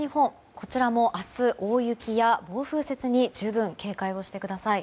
こちらも明日大雪や暴風雪に十分警戒してください。